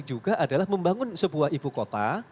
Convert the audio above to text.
juga adalah membangun sebuah ibu kota